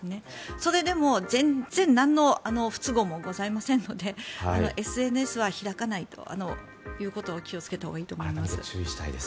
それでも全然なんの不都合もございませんのでＳＮＳは開かないことを気をつけたほうがいいと思います。